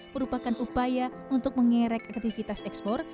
merupakan upaya untuk mengerek aktivitas ekspor